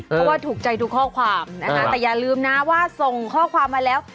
เพราะว่าถูกใจทุกข้อความนะคะแต่อย่าลืมนะว่าส่งข้อความมาแล้ว